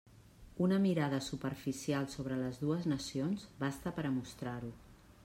Una mirada superficial sobre les dues nacions basta per a mostrar-ho.